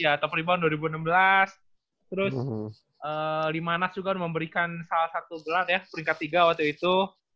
atau prebound dua ribu enam belas terus limanas juga memberikan salah satu gelar ya peringkat tiga waktu itu